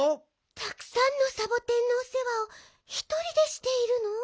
たくさんのサボテンのおせわをひとりでしているの？